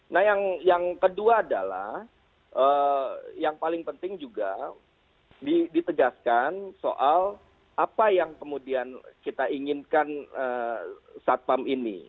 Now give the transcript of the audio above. nah yang kedua adalah yang paling penting juga ditegaskan soal apa yang kemudian kita inginkan satpam ini